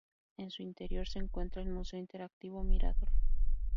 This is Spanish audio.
En su interior se encuentra el Museo Interactivo Mirador.